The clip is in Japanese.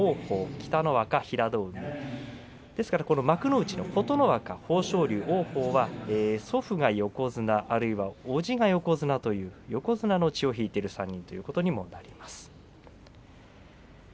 幕内の琴ノ若、豊昇龍王鵬は祖父が横綱あるいはおじが横綱という横綱の地位を引いている３人ということになります。